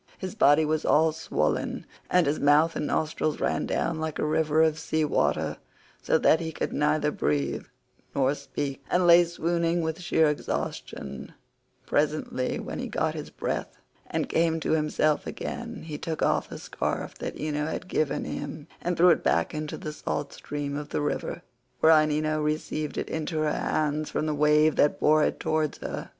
His body was all swollen, and his mouth and nostrils ran down like a river with sea water, so that he could neither breathe nor speak, and lay swooning from sheer exhaustion; presently, when he had got his breath and came to himself again, he took off the scarf that Ino had given him and threw it back into the salt54 stream of the river, whereon Ino received it into her hands from the wave that bore it towards her.